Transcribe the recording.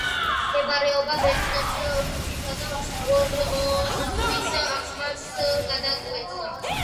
მდებარეობდა ბერძნების ქუჩისა და ვორონცოვის აღმართის გადაკვეთაზე.